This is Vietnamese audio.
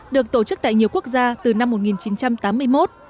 được tổ chức tại nhiều quốc gia từ năm một nghìn chín trăm tám mươi một